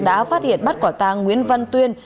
đã phát hiện bắt quả tăng nguyễn văn tuyên